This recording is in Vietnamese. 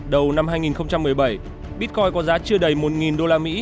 đầu năm hai nghìn một mươi bảy bitcoin có giá chưa đầy một usd